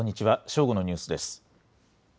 正午のニュースです。